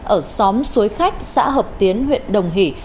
ở xóm suối khách xã hợp tiến huyện đồng hỷ